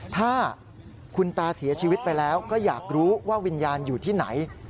ถ้าคุณตาเสียชีวิตไปแล้วก็อยากรู้ว่าวิญญาณอยู่ที่ไหน